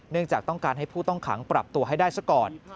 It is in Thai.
จากต้องการให้ผู้ต้องขังปรับตัวให้ได้ซะก่อน